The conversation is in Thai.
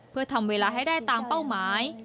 เพื่อทำเวลาให้ได้ตามเป้าหมาย